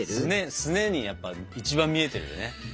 すねにやっぱ一番見えてるよね